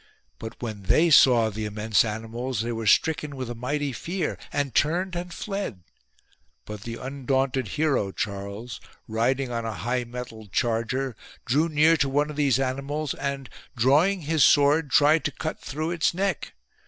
But when they saw the immense animals they were stricken with a mighty fear and turned and fled. But the undaunted hero ii8 A HUNTING SCENE Charles, riding on a high mettled charger, drew near to one of these animals and drawing his sword tried to cut through its neck.